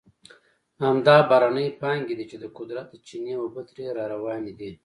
همدا بهرنۍ پانګې دي چې د قدرت د چینې اوبه ترې را روانې دي.